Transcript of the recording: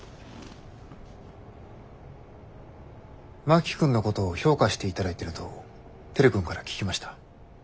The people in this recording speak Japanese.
真木君のことを評価していただいてると照君から聞きました。